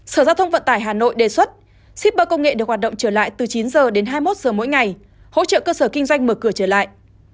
sở giao thông vận tải hà nội đề xuất shipper công nghệ được hoạt động trở lại từ chín h đến hai mươi một giờ mỗi ngày hỗ trợ cơ sở kinh doanh mở cửa trở lại